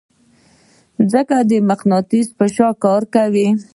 ځمکه د مقناطیس په شان کار کوي.